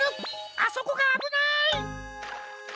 あそこがあぶない！